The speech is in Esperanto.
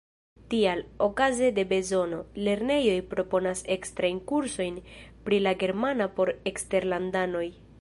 Tial, okaze de bezono, lernejoj proponas ekstrajn kursojn pri la germana por eksterlandanoj.